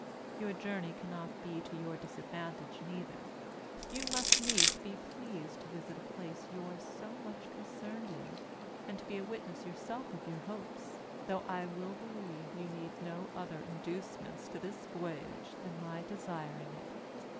Your journey cannot be to your disadvantage neither; you must needs be pleased to visit a place you are so much concerned in, and to be a witness yourself of your hopes, though I will believe you need no other inducements to this voyage than my desiring it.